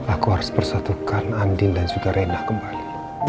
aku harus bersatukan andin dan juga rena kembali